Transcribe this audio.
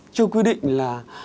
chưa quy định là